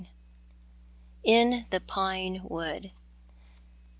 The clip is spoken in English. IN THE PINE WOOD.